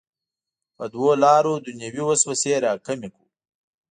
په دوو لارو دنیوي وسوسې راکمې کړو.